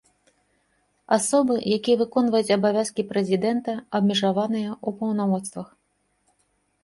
Асобы, якія выконваюць абавязкі прэзідэнта, абмежаваныя ў паўнамоцтвах.